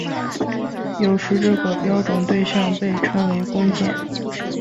有时这个标准对像被称为工件。